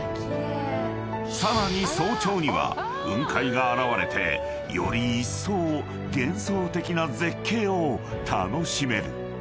［さらに早朝には雲海が現れてよりいっそう幻想的な絶景を楽しめる］